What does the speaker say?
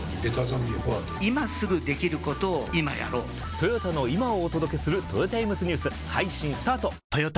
トヨタの今をお届けするトヨタイムズニュース配信スタート！！！